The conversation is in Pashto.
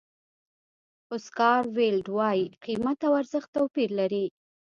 اوسکار ویلډ وایي قیمت او ارزښت توپیر لري.